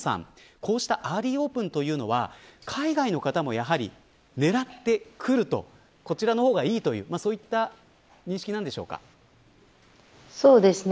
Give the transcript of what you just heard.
こうしたアーリーオープンは海外の方もやはり狙って来るとこちらの方がいいというそうですね。